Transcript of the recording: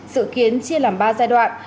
dự kiến chia làm ba giai đoạn